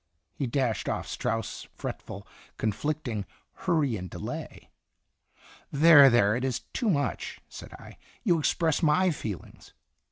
He dashed off Strauss' fretful, con flicting "Hurry and Delay." "There, there! It is too much," said I. " You express my feelings."